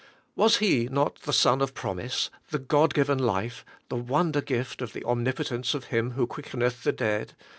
Was he not the son of promise, the God given life, the wonder gift of the omnipotence of Him who quickeneth the dead?